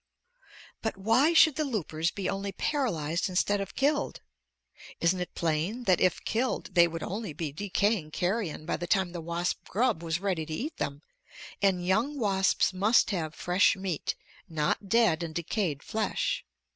But why should the loopers be only paralyzed instead of killed? Isn't it plain that if killed they would only be decaying carrion by the time the wasp grub was ready to eat them, and young wasps must have fresh meat, not dead and decayed flesh.